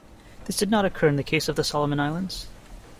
This did not occur in the case of the Solomon Islands.